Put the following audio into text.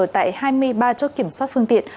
tại hai mươi ba chốt kiểm soát phương tiện